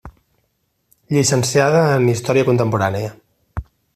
Llicenciada en història contemporània.